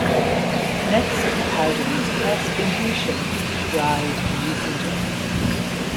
Next the powder is pressed into a shape, dried, and re-sintered.